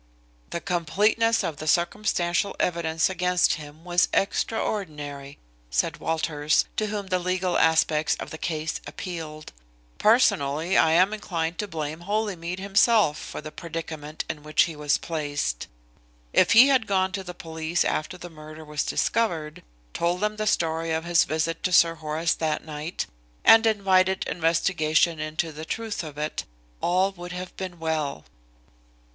"The completeness of the circumstantial evidence against him was extraordinary," said Walters, to whom the legal aspects of the case appealed. "Personally I am inclined to blame Holymead himself for the predicament in which he was placed. If he had gone to the police after the murder was discovered, told them the story of his visit to Sir Horace that night, and invited investigation into the truth of it, all would have been well."